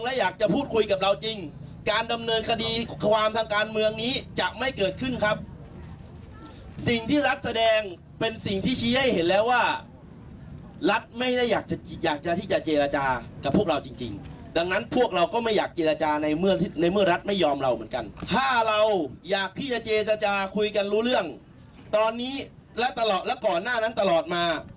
และก่อนหน้านั้นตลอดมา